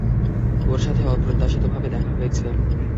ওর সাথে অপ্রত্যাশিত ভাবে দেখা হয়েছে।